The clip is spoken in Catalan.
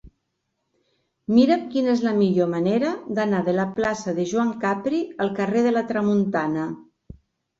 Mira'm quina és la millor manera d'anar de la plaça de Joan Capri al carrer de la Tramuntana.